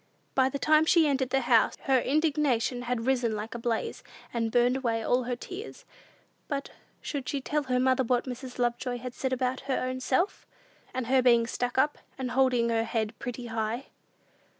By the time she entered the house, her indignation had risen like a blaze, and burned away all her tears. But should she tell her mother what Mrs. Lovejoy had said about her ownself, about her being "stuck up," and holding her head pretty high?